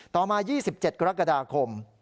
ต่อมา๒๗กรกฎาคม